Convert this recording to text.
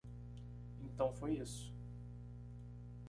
Então foi isso.